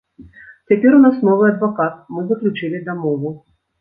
Цяпер у нас новы адвакат, мы заключылі дамову.